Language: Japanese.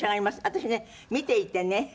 私ね見ていてね。